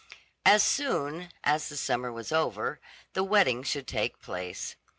As soon, as the summer was over, the wedding should take place.